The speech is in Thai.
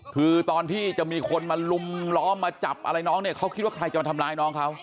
คือตอนที่จะมีคนมาลุมล้อมมาจับอะไรน้องเนี่ยเขาคิดว่าใครจะมาทำร้ายน้องเขา